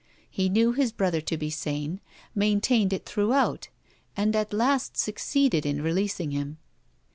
He knew his brother to be sane, maintained it throughout, and at last succeeded in releasing him.